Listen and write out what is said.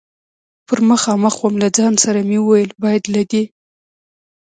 پر مخامخ ووم، له ځان سره مې وویل: باید له دې.